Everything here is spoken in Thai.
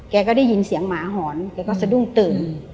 แกก็ได้ยินเสียงหมาหอนแกก็สะดุ้งตื่น